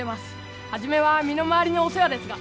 初めは身の回りのお世話ですが。